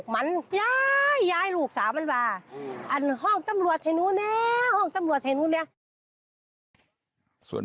ฉันเลยจับผู้ห้องบิน